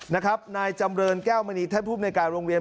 นะครับนายจำเรินแก้วมณีท่านผู้บริการโรงเรียน